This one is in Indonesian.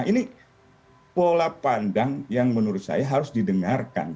ini pola pandang yang menurut saya harus didengarkan